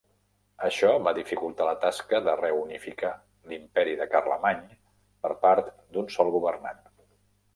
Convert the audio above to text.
Això va dificultar la tasca de reunificar l'imperi de Carlemany per part d'un sol governant.